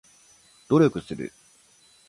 努力する